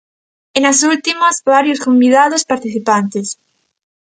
E nas últimas varios convidados participantes.